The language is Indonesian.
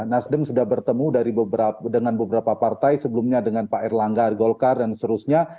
nasdem sudah bertemu dengan beberapa partai sebelumnya dengan pak erlangga golkar dan seterusnya